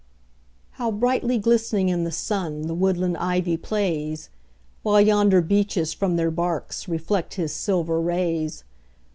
How brightly glistening in the sun The woodland ivy plays! While yonder beeches from their barks Reflect his silver rays.